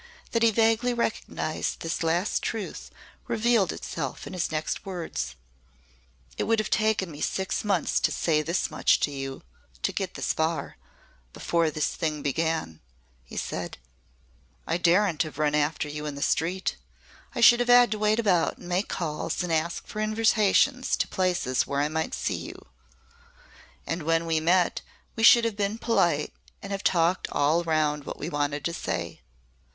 That he vaguely recognised this last truth revealed itself in his next words. "It would have taken me six months to say this much to you to get this far before this thing began," he said. "I daren't have run after you in the street. I should have had to wait about and make calls and ask for invitations to places where I might see you. And when we met we should have been polite and have talked all round what we wanted to say.